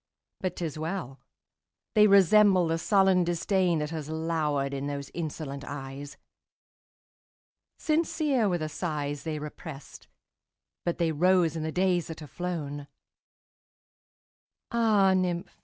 But 't is well!—they resemble the sullen disdainThat has lowered in those insolent eyes. Sincere were the sighs they represt, But they rose in the days that are flown! Ah, nymph!